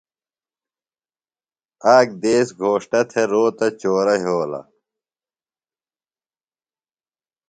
آک دیس گھوݜٹہ تھےۡ روتہ چورہ یھولہ۔